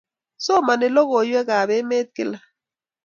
Somani lokoiwek ab emet kila